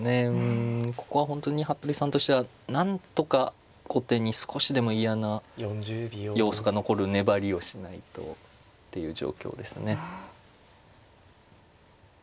ここは本当に服部さんとしてはなんとか後手に少しでも嫌な要素が残る粘りをしないとっていう状況ですね。